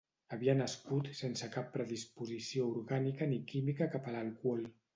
Havia nascut sense cap predisposició orgànica ni química cap a l'alcohol.